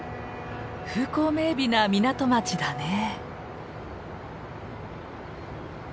風光明美な港町だね。